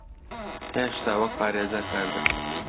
هێشتا وەک پارێزەر کار دەکەم.